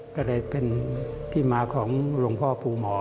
ก็เลยเป็นที่มาของหลวงพ่อภูหมอ